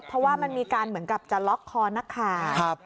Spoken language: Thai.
เพราะว่ามันมีการเหมือนกับจะล็อกคอนักข่าว